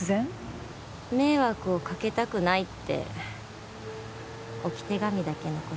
「迷惑をかけたくない」って置き手紙だけ残して。